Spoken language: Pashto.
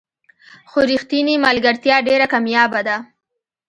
خو رښتینې ملګرتیا ډېره کمیابه ده.